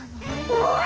「おい」。